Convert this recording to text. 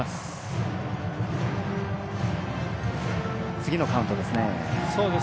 次のカウントですね。